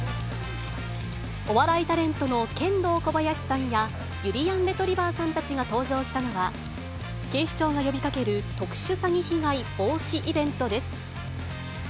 お笑いタレントのケンドーコバヤシさんや、ゆりやんレトリィバァさんたちが登場したのは、警視庁が呼びかける、特殊詐欺被害防止イベントです。